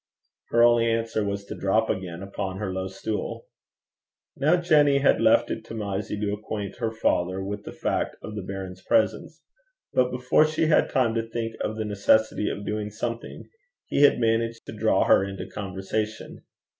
Her only answer was to drop again upon her low stool. Now Jenny had left it to Mysie to acquaint her father with the fact of the baron's presence; but before she had time to think of the necessity of doing something, he had managed to draw her into conversation.